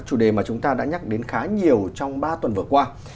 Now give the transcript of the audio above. chủ đề mà chúng ta đã nhắc đến khá nhiều trong ba tuần vừa qua